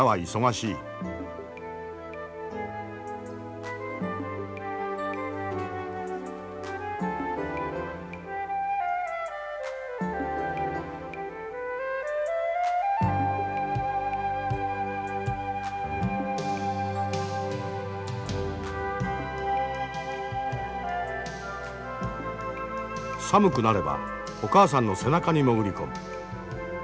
寒くなればお母さんの背中に潜り込む。